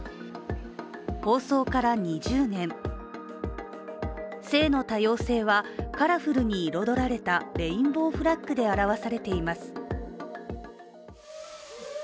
放送から２０年、性の多様性はカラフルに彩られたレインボーフラッグで表されています。